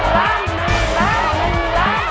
ได้เลย